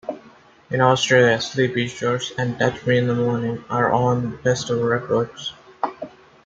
In Australia, "Sleepy Shores" and "Touch Me in the Morning" are on Festival Records.